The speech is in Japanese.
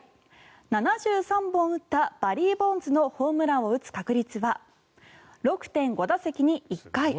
７３本打ったバリー・ボンズのホームランを打つ確率は６．５打席に１回。